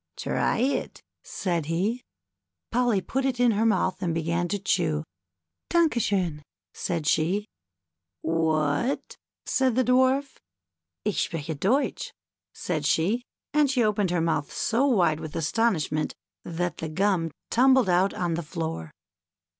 " Try it," said he. Polly put it in her mouth and began to chew. Danke schon," said she. '^What?" said the Dwarf. " Ich spreche Deutsch" said she, and she opened her mouth so wide with astonishment that the gum tumbled out on the floor.